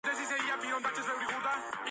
ანალოგიური რეფერენდუმი ჩატარდა გერმანიაში.